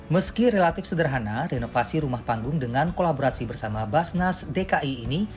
meski relatif sederhana renovasi rumah panggung dengan kolaborasi bersama basnas dki ini